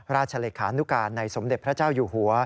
เลขานุการในสมเด็จพระเจ้าอยู่หัว